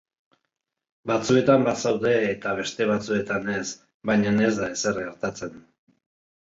Batzuetan bazaude, eta beste batzuetan ez, baina ez da ezer gertatzen.